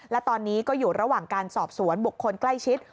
และตอนนี้ก็อยู่ระหว่างการสอบสวนบุคคลใกล้ชิด